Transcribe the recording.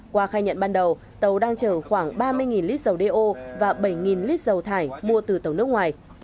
qua khai nhận ban đầu tàu đang chở khoảng ba mươi lít dầu đeo và bảy lít dầu thải mua từ tàu nước ngoài